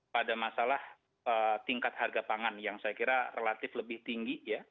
pada masalah tingkat harga pangan yang saya kira relatif lebih tinggi ya